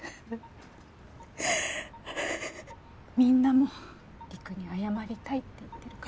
みんなも陸に謝りたいって言ってるから。